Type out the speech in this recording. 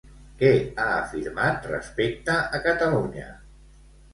Què ha afirmat respecte a Catalunya?